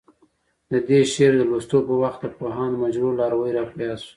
د دې شعر د لوستو په وخت د پوهاند مجروح لاروی راپه یاد شو.